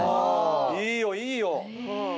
いいよいいよ！